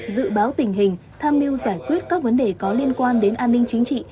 dự báo tình hình tham mưu giải quyết các vấn đề có liên quan đến an ninh chính trị